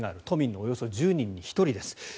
都民のおよそ１０人に１人です。